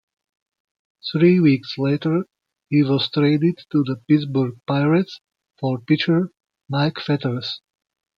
Three weeks later, he was traded to the Pittsburgh Pirates for pitcher Mike Fetters.